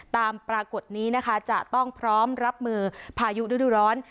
ปรากฏนี้นะคะจะต้องพร้อมรับมือพายุฤดูร้อน